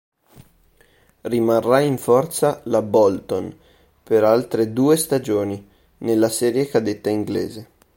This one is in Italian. Rimarrà in forza la Bolton per altre due stagioni nella serie cadetta inglese.